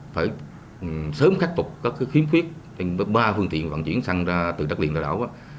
phải sớm khắc phục các khuyến khuyết ba phương tiện vận chuyển xăng ra từ đất liền ra đảo